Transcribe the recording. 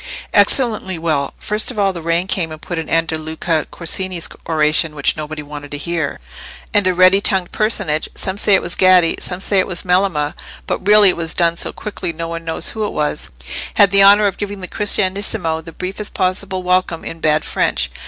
"Excellently well. First of all, the rain came and put an end to Luca Corsini's oration, which nobody wanted to hear, and a ready tongued personage—some say it was Gaddi, some say it was Melema, but really it was done so quickly no one knows who it was—had the honour of giving the Cristianissimo the briefest possible welcome in bad French."